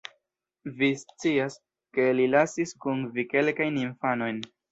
Vi scias ke li lasis kun vi kelkajn infanojn